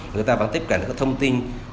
người ta vẫn tiếp cận thông tin